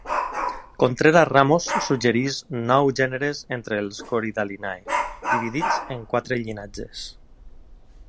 Contreras-Ramos suggereix nou gèneres entre els Corydalinae, dividits en quatre llinatges.